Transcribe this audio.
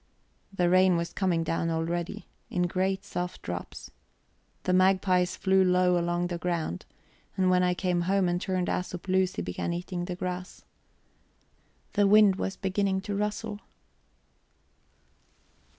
The rain was coming down already, in great soft drops. The magpies flew low along the ground, and when I came home and turned Æsop loose he began eating the grass. The wind was beginning to rustle.